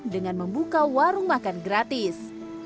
dengan membuka warung makan gratis